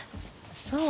そう。